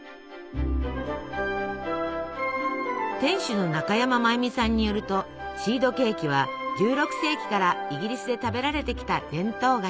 店主の中山真由美さんによるとシードケーキは１６世紀からイギリスで食べられてきた伝統菓子。